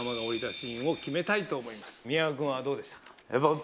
宮川君はどうでしたか？